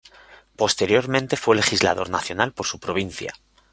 Posteriormente fue legislador nacional por su provincia.